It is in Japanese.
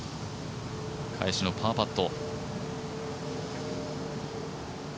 返しのパーパット。